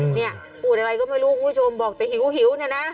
เนี่ยพูดอะไรก็ไม่รู้คุณผู้ชมบอกแต่หิวเนี่ยนะ